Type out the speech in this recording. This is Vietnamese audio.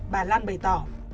bà lan bày tỏ